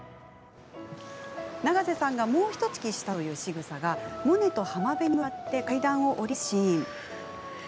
永瀬さんがもう１つ意識したというしぐさはモネと浜辺に向かって階段を下りるシーン。